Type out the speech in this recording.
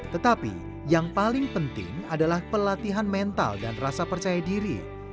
tetapi yang paling penting adalah pelatihan mental dan rasa percaya diri